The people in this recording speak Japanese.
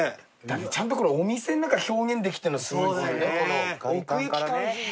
ちゃんとお店の中表現できてるのすごいですよね。